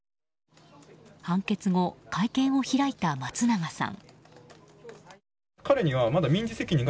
判決後、会見を開いた松永さん。